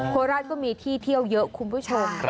โคราชก็มีที่เที่ยวเยอะคุณผู้ชม